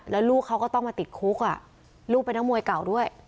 แล้วลูกเขาก็ต้องมาติดคุกลูกเป็นนักมวยเก่าด้วย